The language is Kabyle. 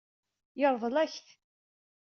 Yeṛḍel-ak-t.